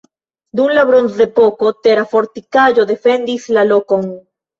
Dum la bronzepoko tera fortikaĵo defendis la lokon.